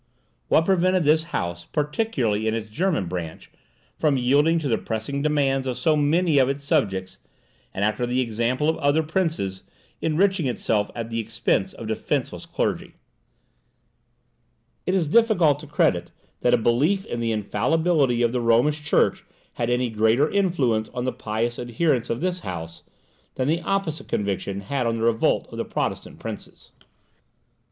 What prevented this house, particularly in its German branch, from yielding to the pressing demands of so many of its subjects, and, after the example of other princes, enriching itself at the expense of a defenceless clergy? It is difficult to credit that a belief in the infallibility of the Romish Church had any greater influence on the pious adherence of this house, than the opposite conviction had on the revolt of the Protestant princes.